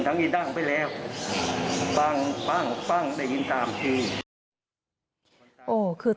มานี้ดั้งไปแล้ว